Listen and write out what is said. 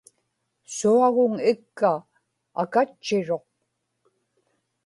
suaguŋ ikka akatchiruq